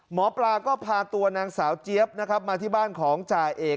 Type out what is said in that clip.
หมอปลาก็พาตัวนางสาวเจี๊ยบนะครับมาที่บ้านของจ่าเอก